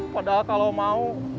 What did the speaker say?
padahal kalau mau